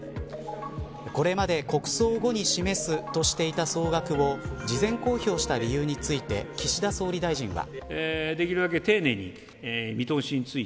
これまで国葬後に示すとしていた総額を事前公表した理由について岸田総理大臣は。